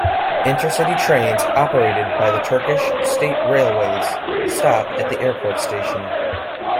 Intercity trains operated by the Turkish State Railways stop at the Airport Station.